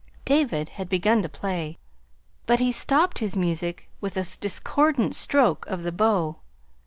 David had begun to play, but he stopped his music with a discordant stroke of the bow.